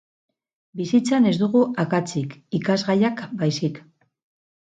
Bizitzan ez dugu akatsik, ikasgaiak baizik.